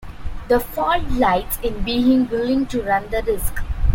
The fault lies in being willing to run the risk.